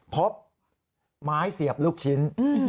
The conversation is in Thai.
พบไม้เสียบลูกชิ้น